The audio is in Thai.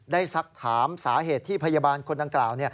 สักถามสาเหตุที่พยาบาลคนดังกล่าว